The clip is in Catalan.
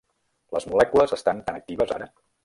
Les molècules estan tan actives ara!